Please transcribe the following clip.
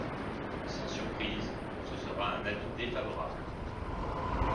Sans surprise, ce sera un avis défavorable.